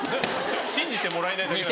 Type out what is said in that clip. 信じてもらえないだけ。